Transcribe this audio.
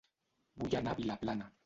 Vull anar a Vilaplana